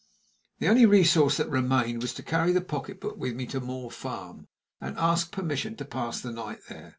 The only resource that remained was to carry the pocketbook with me to Moor Farm, and ask permission to pass the night there.